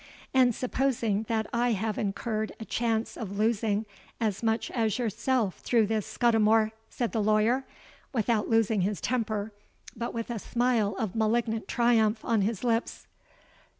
'—'And supposing that I have incurred a chance of losing as much as yourself through this Mr. Scudimore?' said the lawyer, without losing his temper, but with a smile of malignant triumph on his lips.